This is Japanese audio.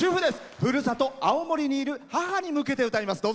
ふるさと・青森にいる母に向けて歌います。